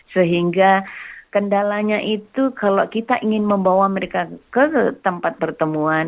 sehingga kendalanya itu kalau kita ingin membawa mereka ke tempat pertemuan